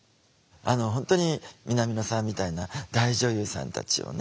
本当に南野さんみたいな大女優さんたちをね